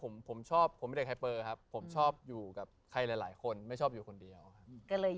ผมผมชอบผมเป็นเด็กไฮเปอร์ครับผมชอบอยู่กับใครหลายคนไม่ชอบอยู่คนเดียวครับ